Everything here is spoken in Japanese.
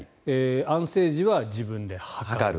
安静時は自分で測る。